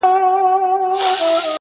سر خپل ماتوم که د مکتب دروازه ماته کړم.